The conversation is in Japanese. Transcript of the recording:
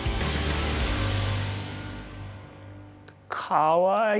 かわいい！